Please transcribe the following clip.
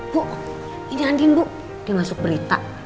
bu ini andin bu dia masuk berita